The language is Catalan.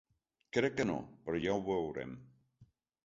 Crec que no, però ja ho veurem.